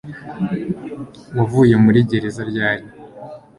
Wavuye muri gereza ryari?